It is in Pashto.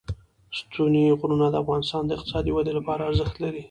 ستوني غرونه د افغانستان د اقتصادي ودې لپاره ارزښت لري.